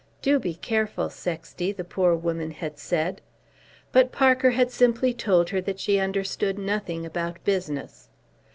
"Do be careful, Sexty," the poor woman had said. But Parker had simply told her that she understood nothing about business.